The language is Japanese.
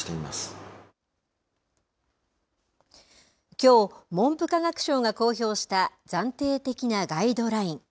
きょう、文部科学省が公表した暫定的なガイドライン。